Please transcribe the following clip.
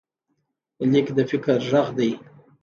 لیک د فکر غږ دی.